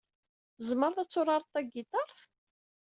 Tzemreḍ ad turareḍ tagitaṛt?